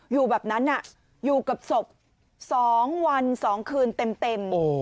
อยู่แบบนั้นอยู่กับศพ๒วัน๒คืนเต็ม